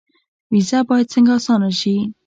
ویزه باید څنګه اسانه شي؟